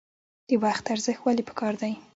د وخت ارزښت ولې پکار دی؟